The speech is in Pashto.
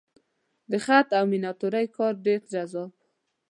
د خط او میناتورۍ کار ډېر جذاب و.